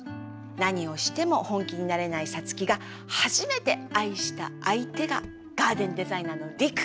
何をしても本気になれない皐月が初めて愛した相手がガーデンデザイナーの陸。